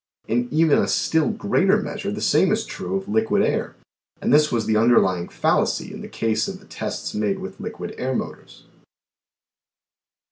In even a still greater measure the same is true of liquid air, and this was the underlying fallacy in the case of the tests made with liquid air motors.